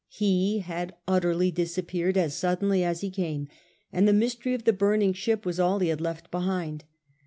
He had utterly disappeared as suddenly as he came, and the mystery of the burning ship was all he had left behind.